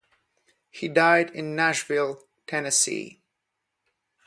He died in Nashville, Tennessee.